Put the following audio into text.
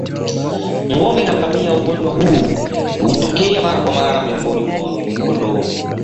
Ngombe na ngamia Ugonjwa huu hutokea mara kwa mara miongoni mwa kondoo